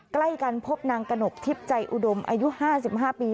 ใกล้กันพบนางกระหนบทิศใจอุดมอายุห้าสิบห้าปี